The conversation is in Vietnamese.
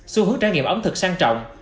xu hướng trải nghiệm ấm thực sang trọng